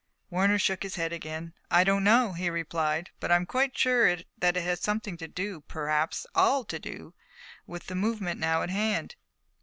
Warner shook his head again. "I don't know," he replied, "but I'm quite sure that it has something to do, perhaps all to do, with the movement now at hand.